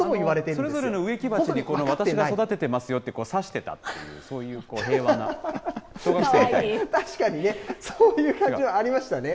それぞれの植木鉢に私が育ててますよってさしてたっていう、確かにね、そういう感じはありましたね。